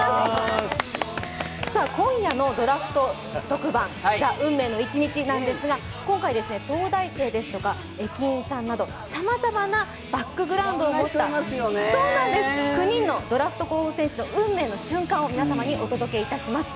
今夜のドラフト特番「ＴＨＥ運命の１日」なんですが今回、東大生ですとか駅員さんなどさまざまなバックグラウンドを持った９人のドラフト候補選手の運命の瞬間を皆様にお届けいたします。